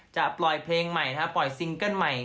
จะปล่อยเพลงใหม่ปล่อยซิงเกิ้ลใหม่